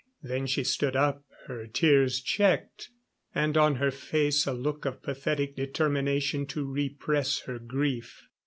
Then she stood up, her tears checked; and on her face a look of pathetic determination to repress her grief.